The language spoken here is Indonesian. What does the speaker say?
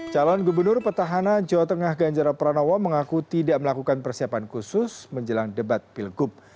calon gubernur petahana jawa tengah ganjar pranowo mengaku tidak melakukan persiapan khusus menjelang debat pilgub